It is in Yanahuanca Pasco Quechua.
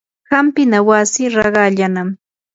hampina wasi raqallanami.